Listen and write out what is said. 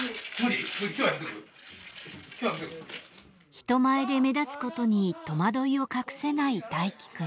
人前で目立つことに戸惑いを隠せない大樹くん。